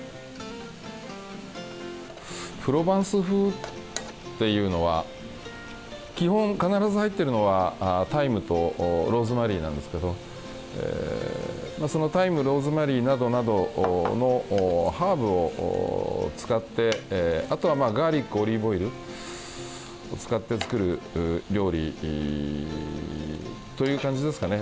プロバンス風っていうのは基本、必ず入っているのはタイムとローズマリーなんですけどそのタイム、ローズマリーなどなどのハーブを使ってあとはガーリックオリーブオイルを使って作る料理という感じですかね。